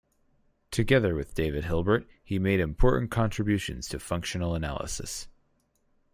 Together with David Hilbert he made important contributions to functional analysis.